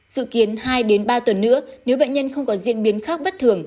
dự kiến hai ba tuần nữa nếu bệnh nhân không có diễn biến khác bất thường